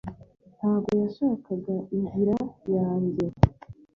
ntabwo yashakaga inzira yanjye